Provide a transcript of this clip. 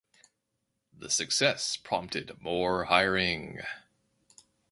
The success prompted more hiring.